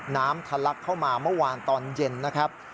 ทะลักเข้ามาเมื่อวานตอนเย็นนะครับ